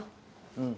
うん。